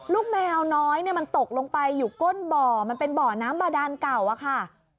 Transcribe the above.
แมวน้อยมันตกลงไปอยู่ก้นบ่อมันเป็นบ่อน้ำบาดานเก่าอะค่ะ